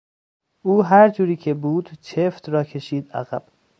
او هر جوری که بود چفت را کشید عقب.